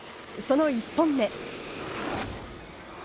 その１本目。